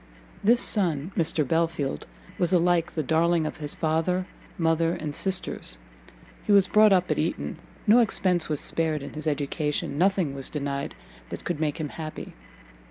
This son, Mr Belfield, was alike the darling of his father, mother, and sisters: he was brought up at Eton, no expence was spared in his education, nothing was denied that could make him happy.